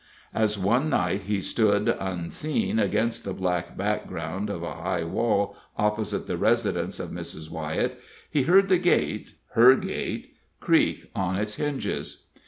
As one night he stood unseen against the black background of a high wall, opposite the residence of Mrs. Wyett, he heard the gate her gate creak on its hinges.